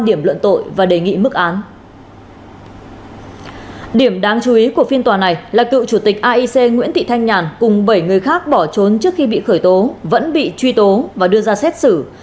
điểm đáng chú ý của phiên tòa này là cựu chủ tịch aic nguyễn thị thanh nhàn cùng bảy người khác bỏ trốn trước khi bị khởi tố vẫn bị truy tố và đưa ra xét xử